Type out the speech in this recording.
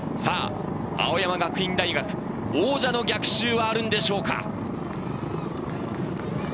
青山学院大学、王者の逆襲はあるんでしょうか？